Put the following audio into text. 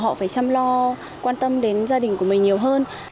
họ phải chăm lo quan tâm đến gia đình của mình nhiều hơn